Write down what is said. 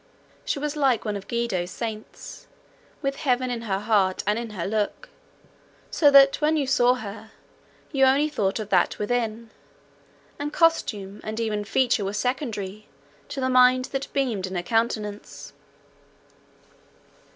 She was like one of Guido's saints, with heaven in her heart and in her look, so that when you saw her you only thought of that within, and costume and even feature were secondary to the mind that beamed in her countenance.